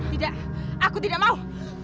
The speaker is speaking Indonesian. tidak aku tidak mau